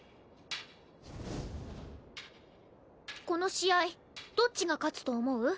この試合どっちが勝つと思う？